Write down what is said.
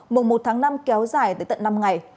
mùa một tháng năm kéo dài tới tận năm ngày